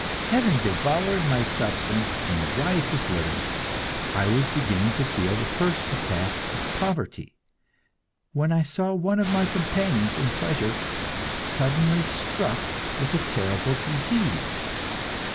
Having devoured my substance in riotous living, I was beginning to feel the first attacks of poverty, when I saw one of my companions in pleasure suddenly struck with a terrible disease.